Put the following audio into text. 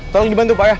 tolong dibantu pak ya